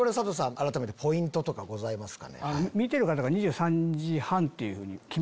改めてポイントとかございますか？